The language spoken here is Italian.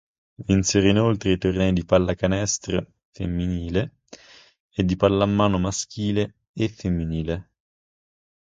Vinsero inoltre i tornei di pallacanestro femminile e di pallamano maschile e femminile.